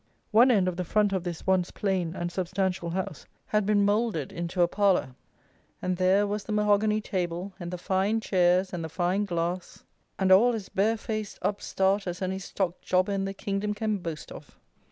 One end of the front of this once plain and substantial house had been moulded into a "parlour;" and there was the mahogany table, and the fine chairs, and the fine glass, and all as bare faced upstart as any stock jobber in the kingdom can boast of.